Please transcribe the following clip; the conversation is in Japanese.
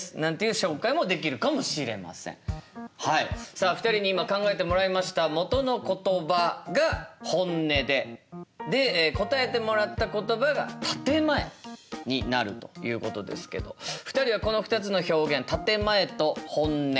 はいさあ２人に今考えてもらいましたもとの言葉が「本音」でで答えてもらった言葉が「建て前」になるということですけど２人はこの２つの表現「建て前」と「本音」。